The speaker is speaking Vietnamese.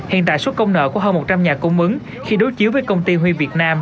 hiện tại số công nợ của hơn một trăm linh nhà cung ứng khi đối chiếu với công ty huy việt nam